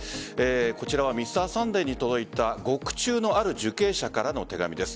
こちら「Ｍｒ．サンデー」に届いた獄中のある受刑者からの手紙です。